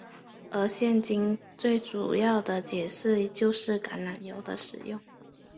而现今最主要的解释就是橄榄油的使用。